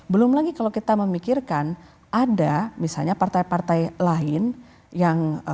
belum lagi kalau kita memikirkan ada misalnya partai partai lain yang